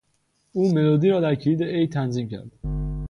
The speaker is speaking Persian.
او ملودی را در کلید A تنظیم کرد.